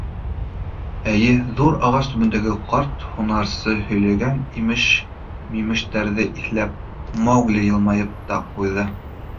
Эйе, ҙур ағас төбөндә ҡарт һунарсы һөйләгән имеш-мимештәрҙе иҫләп, Маугли йылмайып та ҡуйҙы.